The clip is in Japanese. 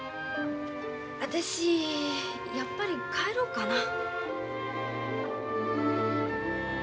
私やっぱり帰ろかな。